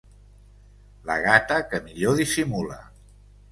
La gata que millor dissimula.